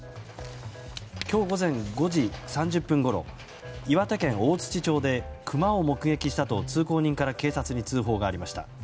今日午前５時３０分ごろ岩手県大槌町でクマを目撃したと通行人から警察に通報がありました。